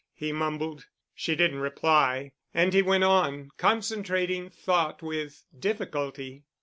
he mumbled. She didn't reply. And he went on, concentrating thought with difficulty.